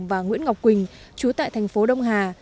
và nguyễn ngọc quỳnh chú tại thành phố đông hà